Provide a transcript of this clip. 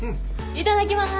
いただきます！